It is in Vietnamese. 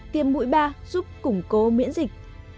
tiêm mũi ba giúp củng cố miễn dịch